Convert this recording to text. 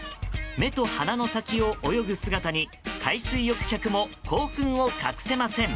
目と鼻の先を泳ぐ姿に海水浴客も興奮を隠せません。